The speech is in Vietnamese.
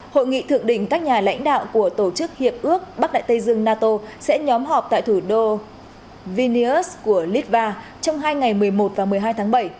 hội nghị thượng đỉnh các nhà lãnh đạo của tổ chức hiệp ước bắc đại tây dương nato sẽ nhóm họp tại thủ đô vinius của litva trong hai ngày một mươi một và một mươi hai tháng bảy